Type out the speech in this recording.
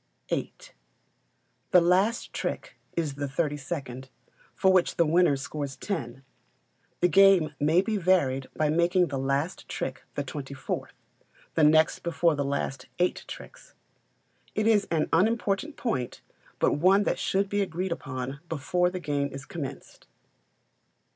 viii. The last trick is the thirty second, for which the winner scores ten. The game may be varied by making the last trick the twenty fourth the next before the last eight tricks. It is an unimportant point, but one that should be agreed upon before the game is commenced.